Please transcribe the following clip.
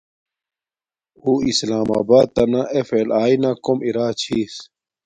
اُو اسلام آبات تنا اف ایل اݵی نا کوم ارا چھس